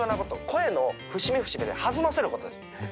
声の節目節目で弾ませることです。